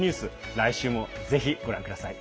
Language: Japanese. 来週も、ぜひご覧ください。